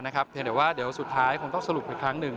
เพียงแต่ว่าเดี๋ยวสุดท้ายคงต้องสรุปอีกครั้งหนึ่ง